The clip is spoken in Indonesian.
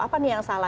apa nih yang salah